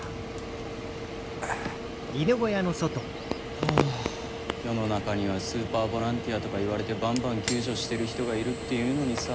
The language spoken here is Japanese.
はぁ世の中には「スーパーボランティア」とか言われてバンバン救助してる人がいるっていうのにさ。